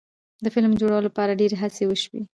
د فلم جوړولو لپاره ډیرې هڅې وشوې.